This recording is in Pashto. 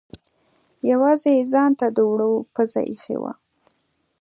یوازې یې ځانته د اوړو پزه اېښې وه.